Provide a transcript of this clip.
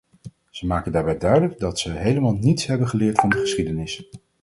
Ze maken daarbij duidelijk dat ze helemaal niets hebben geleerd van de geschiedenis.